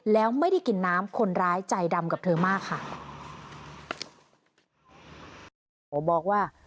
แล้วไม่ได้กินน้ำคนร้ายใจดำกับเธอมากค่ะ